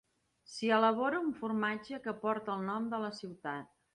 S'hi elabora un formatge que porta el nom de la ciutat.